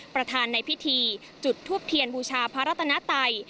ประธานในพิธีจุดทูปเทียนบูชาพระรัตนไตย